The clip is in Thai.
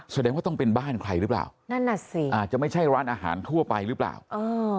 แสดงว่าต้องเป็นบ้านใครหรือเปล่านั่นน่ะสิอาจจะไม่ใช่ร้านอาหารทั่วไปหรือเปล่าเออ